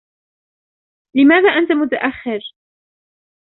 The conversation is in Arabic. لماذا أنت متأخر؟